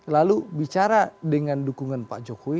lalu bicara dengan dukungan pak jokowi